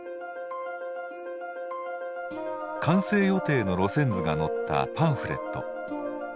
完成予定の路線図が載ったパンフレット。